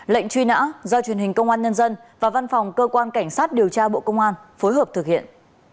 lệnh truy nã do truyền hình công an nhân dân và văn phòng cơ quan cảnh sát điều tra bộ công an phối hợp thực hiện